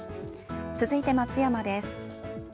続いて松山です。